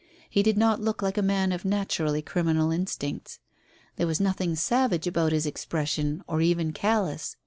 He did not look like a man of naturally criminal instincts. There was nothing savage about his expression, or even callous.